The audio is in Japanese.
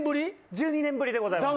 １２年ぶりでございます。